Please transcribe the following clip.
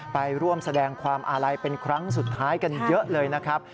ไปร่วมแสดงความอาลัยเป็นครั้งสุดท้ายกันเยอะเลยนะครับ